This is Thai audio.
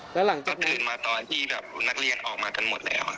แล้วหลังจากตื่นมาตอนที่แบบนักเรียนออกมากันหมดแล้ว